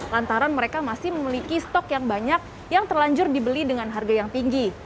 lantaran mereka masih memiliki stok yang banyak yang terlanjur dibeli dengan harga yang tinggi